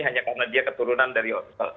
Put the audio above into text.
hanya karena dia keturunan dari australia